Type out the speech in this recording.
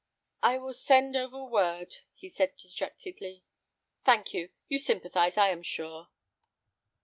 "I will send over word," he said, dejectedly. "Thank you; you sympathize, I am sure."